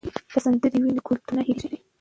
که سندرې وي نو کلتور نه هېریږي.